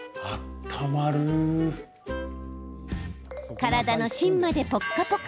体の芯までポッカポカ。